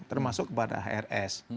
termasuk kepada hrs